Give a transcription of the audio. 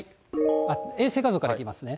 衛星画像から見ますね。